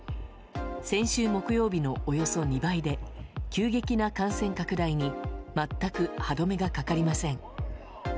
先週木曜日のおよそ２倍で急激な感染拡大に全く歯止めがかかりません。